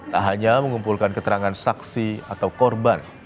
tak hanya mengumpulkan keterangan saksi atau korban